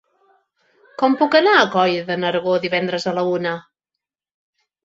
Com puc anar a Coll de Nargó divendres a la una?